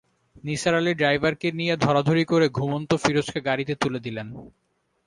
নিসার আলি ড্রাইভারকে নিয়ে ধরাধরি করে ঘুমন্ত ফিরোজকে গাড়িতে তুলে দিলেন।